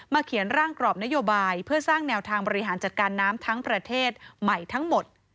เขียนร่างกรอบนโยบายเพื่อสร้างแนวทางบริหารจัดการน้ำทั้งประเทศใหม่ทั้งหมด